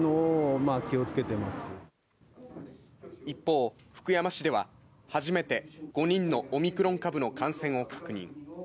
一方、福山市では初めて５人のオミクロン株の感染を確認。